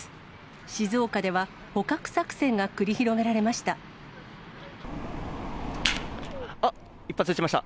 静岡では捕獲作戦が繰り広げられました。